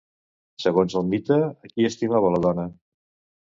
Segons el mite, a qui estimava la dona?